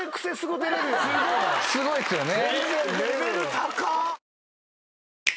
すごいっすよね。